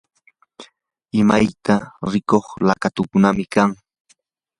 imayka rikuq laqatukunam kan.